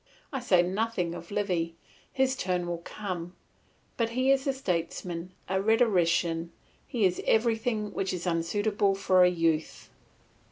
I say nothing of Livy, his turn will come; but he is a statesman, a rhetorician, he is everything which is unsuitable for a youth.